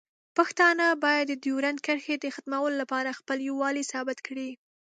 پښتانه باید د ډیورنډ کرښې د ختمولو لپاره خپل یووالی ثابت کړي.